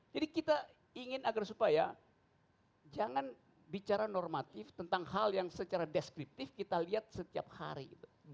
jadi kita ingin agar supaya jangan bicara normatif tentang hal yang secara deskriptif kita lihat setiap hari